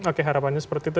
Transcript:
oke harapannya seperti itu